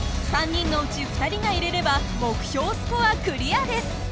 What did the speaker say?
３人のうち２人が入れれば目標スコアクリアです。